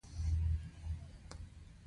احمده سترګې پټې کړې.